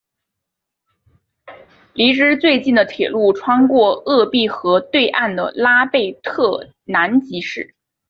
离之最近的铁路穿过鄂毕河对岸的拉贝特南吉市。